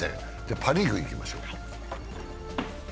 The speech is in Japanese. パ・リーグいきましょう。